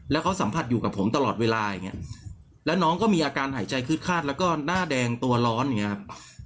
แล้วเขาสัมผัสอยู่กับผมตลอดเวลาอย่างเงี้ยแล้วน้องก็มีอาการหายใจคืดคาดแล้วก็หน้าแดงตัวร้อนอย่างเงี้ครับ